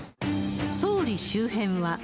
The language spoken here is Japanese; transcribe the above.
総理周辺は。